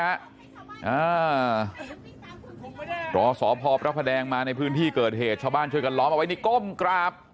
อ่ารอสพพระแดงมาในพื้นที่เกิดเหตุชาวบ้านช่วยกันล้อมเอาไว้นี่ก้มกราบ